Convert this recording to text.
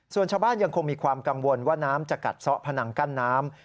ส่วนชาวบ้านยังคงมีความกังวลว่าน้ำจะกัดซ่อผนังกั้นน้ำ